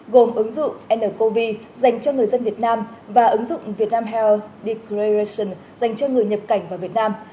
gồm ứng dụng ncov dành cho người dân việt nam và ứng dụng vietnam health declaration dành cho người nhập cảnh vào việt nam